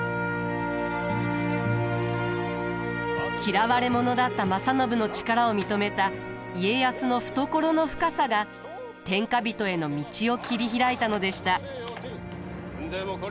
嫌われ者だった正信の力を認めた家康の懐の深さが天下人への道を切り開いたのでした。